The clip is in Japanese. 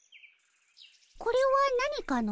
これは何かの？